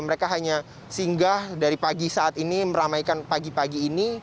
mereka hanya singgah dari pagi saat ini meramaikan pagi pagi ini